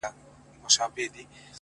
دلته اوسم،